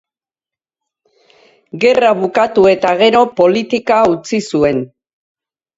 Gerra bukatu eta gero politika utzi zuen.